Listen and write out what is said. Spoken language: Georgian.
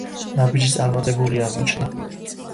ნაბიჯი წარმატებული აღმოჩნდა.